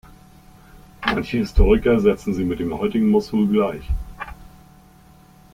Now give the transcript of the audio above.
Manche Historiker setzen sie mit dem heutigen Mossul gleich.